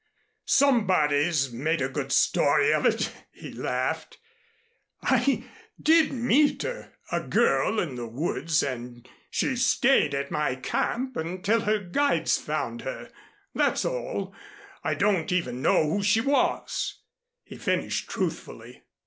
"Somebody's made a good story of it," he laughed. "I did meet a a girl in the woods and she stayed at my camp until her guides found her, that's all. I don't even know who she was," he finished truthfully.